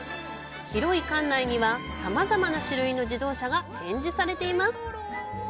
広い館内には、さまざまな種類の自動車が展示されています。